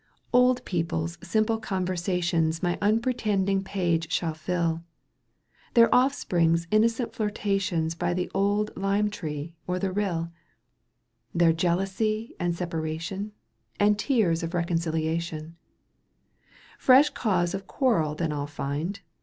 Old people's simple conversations My unpretending page shall fill. Their offspring's innocent flirtations By the old lime tree or the rill, Their jealousy and separation And tears of reconciliation : Fresh cause of quarrel then I'll find.